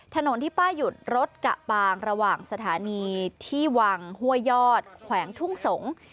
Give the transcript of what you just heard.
ถนนที่ป้าหยุดรถกะปางระหว่างสถานีที่วังห้วยยอดแขวงทุ่งสงศ์